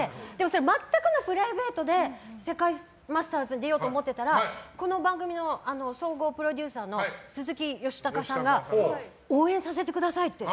全くのプライベートで世界マスターズに出ようと思ってたらこの番組の総合プロデューサーのスズキ・ヨシタカさんが応援させてくださいって。